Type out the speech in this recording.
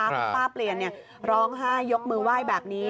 คุณป้าเปลี่ยนร้องไห้ยกมือไหว้แบบนี้